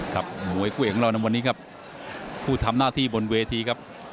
ครับมวยผู้พี่ของเราเนี่ยวันนี้ครับผู้ทำหน้าที่บนเวทีครับ